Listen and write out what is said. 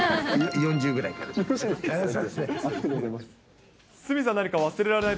４０ぐらいからでいい。